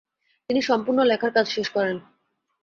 তিনি সম্পূর্ণ লেখার কাজ শেষ করেন।